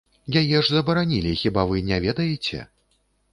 Яе ж забаранілі, хіба вы не ведаеце?!